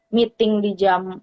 meeting di jam